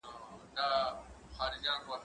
زه تمرين نه کوم!.